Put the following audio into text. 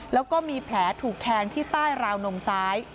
แล้วก็มีแผลถูกแทงที่ใต้ราวนมซ้าย